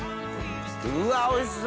うわっおいしそ！